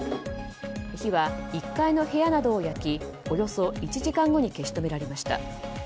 火は１階の部屋などを焼きおよそ１時間後に消し止められました。